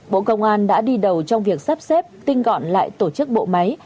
bộ công an đã đi đầu trong việc sắp xếp tinh gọn lại tổ chức bộ máy